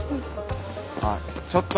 あっちょっと！